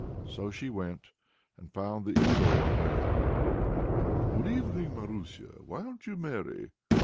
So she went, and found the Evil One there. "Good evening, Marusia! why arn't you merry?"